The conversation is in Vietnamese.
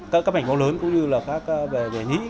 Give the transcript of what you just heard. các mạch máu lớn cũng như là các bề nhĩ